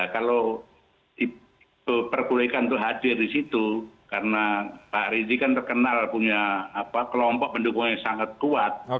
kalau diperbolehkan untuk hadir di situ karena pak rizik kan terkenal punya kelompok pendukung yang sangat kuat